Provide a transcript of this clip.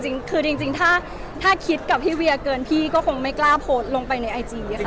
ไม่เคยเลยค่ะไม่เคยคิดเลยจริงถ้าคิดกับพี่เวียเกินพี่ก็คงไม่กล้าโพสต์ลงไปในไอจีกค่ะ